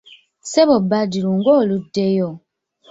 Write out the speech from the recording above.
Ssebo Badru ng'oluddeyo?